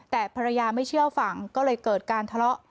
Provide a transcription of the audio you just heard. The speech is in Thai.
แต่ภรรยาไม่เชื่อฝั่งก็เลยเกิดการทะเลาะ